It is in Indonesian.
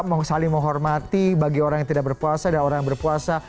mau saling menghormati bagi orang yang tidak berpuasa dan orang yang berpuasa